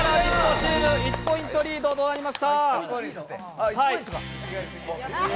チーム１ポイントリードとなりました。